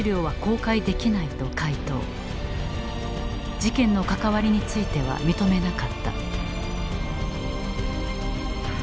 事件の関わりについては認めなかった。